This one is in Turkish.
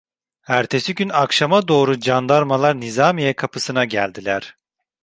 Ertesi gün akşama doğru candarmalar nizamiye kapısına geldiler.